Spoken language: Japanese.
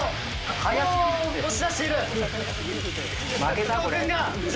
もう押し出している！